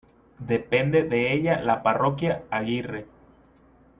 Depende de ella la parroquia Aguirre.